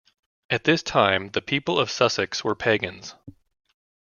At this time the people of Sussex were pagans.